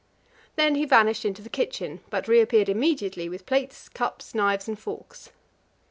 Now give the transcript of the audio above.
Then he vanished into the kitchen, but reappeared immediately with plates, cups, knives and forks.